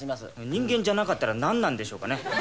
人間じゃなかったら何なんでしょうかね？